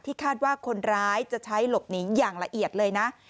คาดว่าคนร้ายจะใช้หลบหนีอย่างละเอียดเลยนะ